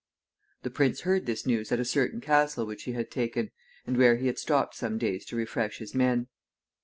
The prince heard this news at a certain castle which he had taken, and where he had stopped some days to refresh his men.